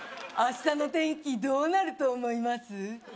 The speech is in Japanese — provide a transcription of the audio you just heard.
あしたの天気どうなると思います？